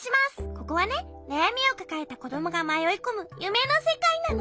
ここはねなやみをかかえたこどもがまよいこむゆめのせかいなの。